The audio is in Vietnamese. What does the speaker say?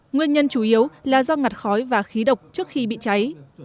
nguyên nhân chủ yếu là do ngặt khói và khí độc trước khi bị cháy